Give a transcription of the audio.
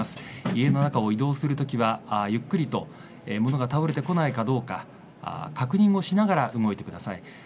家の中を移動するときはゆっくりと物が倒れてこないかどうか確認をしながら動いてください。